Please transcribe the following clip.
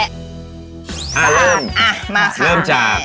อ่าเริ่มอ่ามาค่ะแม่เริ่มจาก